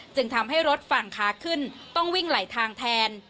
จึงทำให้รถฝั่งขาขึ้นต้องวิ่งไหลทางแทน